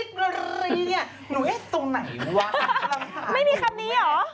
ดรริ็กตรงไหนเว้ย